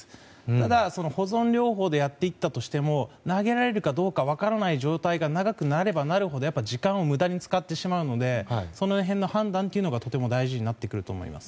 ただ、保存療法でやっていったとしても投げられるかどうか分からない状態が長くなればなるほど時間を無駄に使ってしまうのでその辺の判断というのがとても大事になってくると思います。